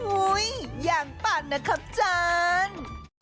อุ้ยอย่างปันนะครับจาน